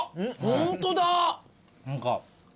ホントだ。